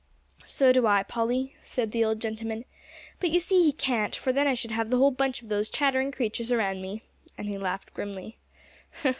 "So do I, Polly," said the old gentleman; "but you see he can't, for then I should have the whole bunch of those chattering creatures around me," and he laughed grimly.